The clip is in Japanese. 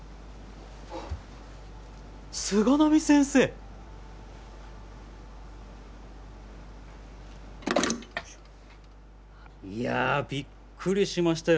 菅波先生。いやびっくりしましたよ